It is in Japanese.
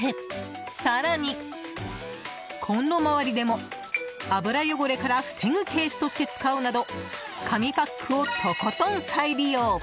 更に、コンロ周りでも油汚れから防ぐケースとして使うなど紙パックをとことん再利用。